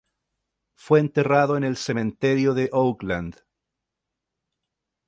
Fue enterrado en el cementerio de Oakland.